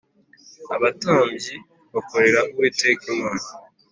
Abatambyi bakorera Uwiteka Imana